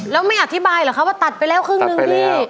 แล้วไม่อธิบายเหรอคะว่าตัดไปแล้วครึ่งหนึ่งพี่